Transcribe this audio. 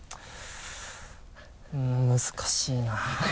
うん難しいな。